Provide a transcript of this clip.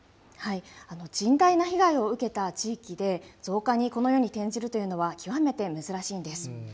甚大な被害を受けた地域で、増加にこのように転じるというのは極めて珍しいんです。